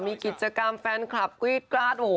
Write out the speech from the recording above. มีกิจกรรมแฟนคลับกรี๊ดกราดโอ้โห